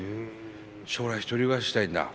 将来１人暮らししたいんだ？